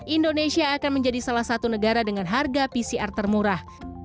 indonesia akan menjadi salah satu negara dengan harga pcr termurah